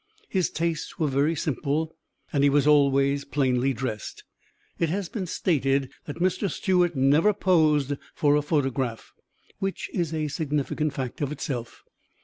His tastes were very simple, and he was always plainly dressed. It has been stated that Mr. Stewart never posed for a photograph, which is a significant fact of itself.